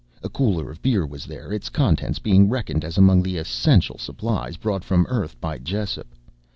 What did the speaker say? A cooler of beer was there, its contents being reckoned as among the essential supplies brought from Earth by Jessup.